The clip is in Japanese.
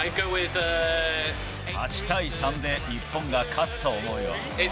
８対３で日本が勝つと思うよ。